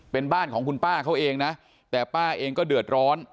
เป็นบ้านของคุณป้าเขาเองนะแต่ป้าเองก็เดือดร้อน